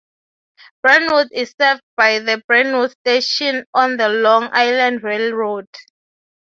Brentwood is served by the Brentwood station on the Long Island Rail Road.